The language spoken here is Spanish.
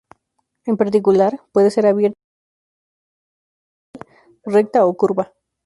En particular, puede ser abierta o cerrada, vertical u horizontal, recta o curva.